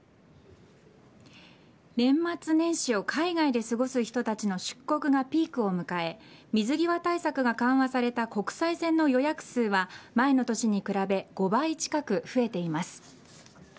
年末年始を海外で過ごす人たちの出国がピークを迎え水際対策が緩和された国際線の予約数は前の年に比べ５倍近く増えています。